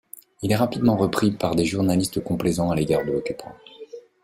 Il est rapidement repris par des journaliste complaisants à l'égard de l'Occupant.